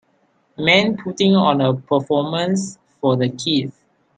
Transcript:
Man putting on a performance for the kids.